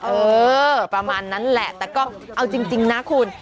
เออประมาณนั้นแหละแต่ก็เอาจริงนะคุณ